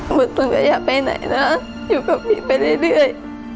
เมื่อคืนก็อย่าไปไหนนะอยู่กับพี่ไปเรื่อย